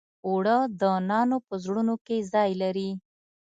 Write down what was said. اوړه د نانو په زړونو کې ځای لري